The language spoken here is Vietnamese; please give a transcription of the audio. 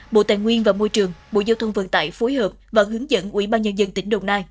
bộ tài nguyên và môi trường bộ giao thông vận tải phối hợp và hướng dẫn ủy ban nhân dân tỉnh đồng nai